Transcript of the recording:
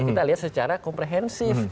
kita lihat secara komprehensif